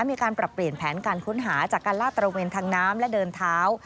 มีการปรับเปลี่ยนแผนการค้นหาจากการลาดตระเวนทางน้ำและเดินเท้า